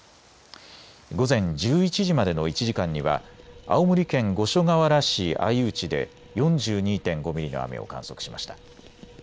午前１１時までの１時間には青森県五所川原市相内で４２．５ミリの雨を観測しました。